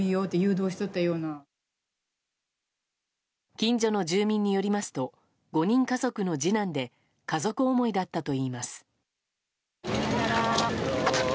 近所の住民によりますと５人家族の次男で家族思いだったといいます。